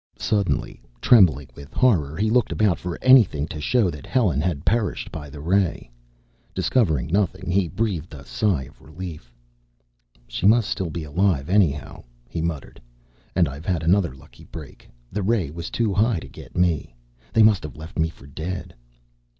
Suddenly trembling with horror, he looked about for anything to show that Helen had perished by the ray. Discovering nothing, he breathed a sigh of relief. "She must be still alive, anyhow," he muttered. "And I've had another lucky break! The ray was too high to get me. They must have left me for dead."